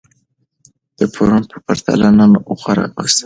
د پرون په پرتله نن غوره اوسئ.